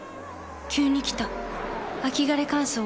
急に来た秋枯れ乾燥。